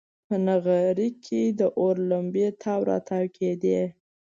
په نغري کې د اور لمبې تاو راتاو کېدې.